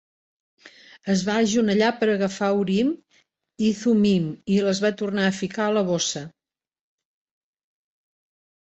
Es va agenollar per agafar Urim i Thummim i les va tornar a ficar a la bossa.